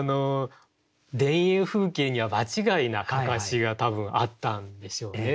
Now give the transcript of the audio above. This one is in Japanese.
田園風景には場違いな案山子が多分あったんでしょうね。